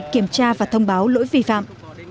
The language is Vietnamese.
kiểm tra và thông báo lỗi vi phạm